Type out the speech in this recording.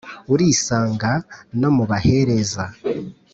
urisanga no mu bahereza